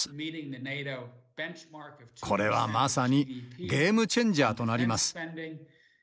これはまさにゲームチェンジャーとなります。